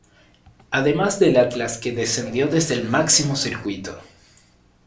Además del Atlas que descendió desde el máximo circuito.